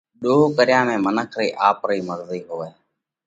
ۮوه ڪريا ۾ منک رئِي آپرئِي مرضئِي هوئه۔